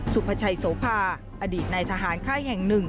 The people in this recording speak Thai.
พชัยโสภาอดีตในทหารค่ายแห่งหนึ่ง